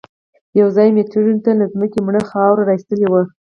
يوځای مېږتنو له ځمکې مړه خاوره را ايستلې وه.